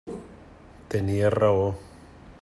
Tenia raó.